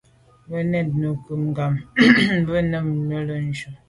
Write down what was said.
Ntù’ nekum ngu’ gham nà à be num mo’ le’njù.